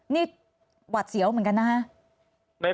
นี่หวัดเสียวเหมือนกันนะคะ